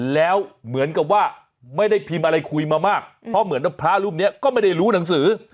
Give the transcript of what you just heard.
แล้วเหมือนกับว่าไม่ได้พิมพ์อะไรคุยมามากเพราะเหมือนพระรูปนี้ก็ไม่ได้รู้หนังสือ